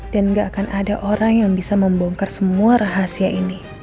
dan nggak akan ada orang yang bisa membongkar semua rahasia ini